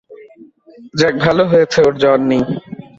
যাক ভালো হয়েছে ওর জ্বর নেই।